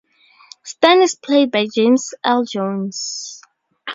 Stern is played by James Earl Jones.